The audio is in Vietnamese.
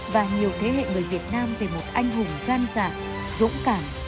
và nhiều thế hệ người việt nam về một anh hùng gian dạng dũng cảm